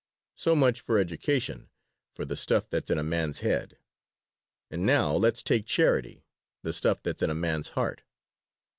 So much for education for the stuff that's in a man's head. And now let's take charity the stuff that's in a man's heart.